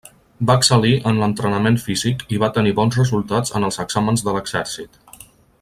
Va excel·lir en l'entrenament físic i va tenir bons resultats en els exàmens de l'exèrcit.